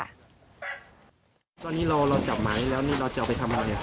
อันนี้เราจับหมานี่แล้วเราจะเอาไปทำอะไรบ้าง